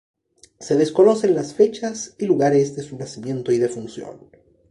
Se desconocen las fechas y lugares de su nacimiento y defunción.